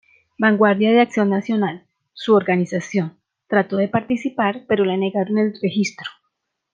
Vanguardia de Acción Nacional, su organización, trató de participar, pero le negaron el registro.